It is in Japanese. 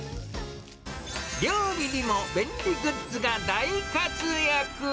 料理にも便利グッズが大活躍。